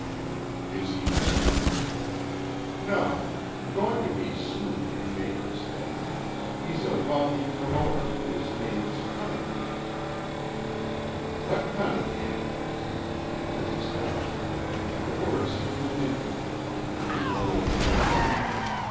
"Is he married?" "No. Going to be soon, the papers say. He's a wealthy promoter. His name's Cunningham." "What Cunningham?" In his astonishment the words seemed to leap from him of their own volition.